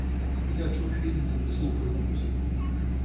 Гляджу фільмы, слухаю музыку.